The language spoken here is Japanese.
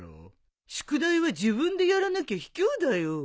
宿題は自分でやらなきゃひきょうだよ。